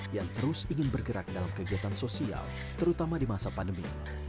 yang terus ingin bergerak dalam kegiatan sosial terutama di masa pandemi